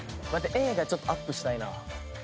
Ａがちょっとアップしたいな。